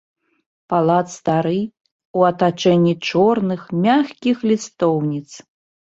Палац стары, у атачэнні чорных, мяккіх лістоўніц.